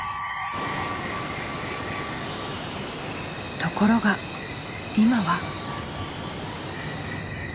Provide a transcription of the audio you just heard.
ところが今は。